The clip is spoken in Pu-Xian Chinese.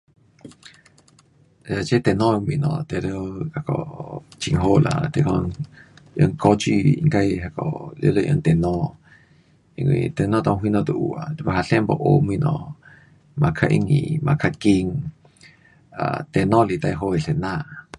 um 这电脑的东西当然 um 那个很呀好啦，像说了教书那个全部用电脑，因为电脑里什么都有啊，你看学生要学东西嘛较容易，嘛较快，um 电脑是最好的老师。